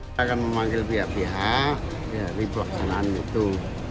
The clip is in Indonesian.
kita akan memanggil pihak pihak ribuan kesalahan gitu